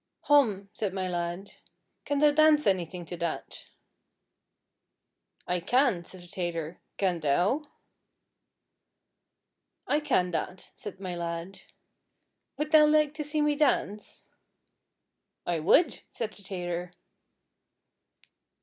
'Hom,' said my lad, 'can thou dance anything to that?' 'I can,' said the tailor. 'Can thou?' 'I can that,' said my lad. 'Would thou like to see me dance?' 'I would,' said the tailor.